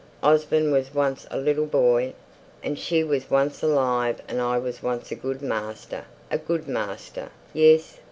Osborne was once a little boy, and she was once alive and I was once a good master a good master yes!